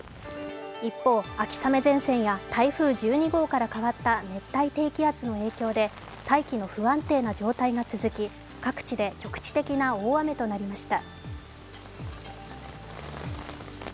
一方、秋雨前線や台風１２号から変わった熱帯低気圧の影響で大気の不安定な状態が続き、各地で局地的な大雨となりました。